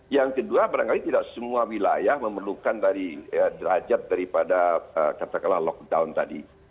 yang kedua barangkali tidak semua wilayah memerlukan dari derajat daripada katakanlah lockdown tadi